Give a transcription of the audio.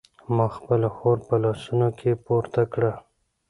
ما خپله خور په لاسونو کې پورته کړه.